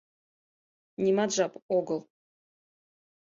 — Нимат жап огыл!